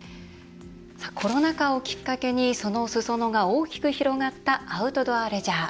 コロナ禍をきっかけにそのすそ野が大きく広がったアウトドアレジャー。